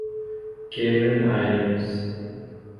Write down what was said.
Cayman islands